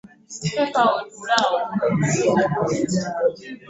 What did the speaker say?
Waliwo ppapa gwe bakuba amasasi .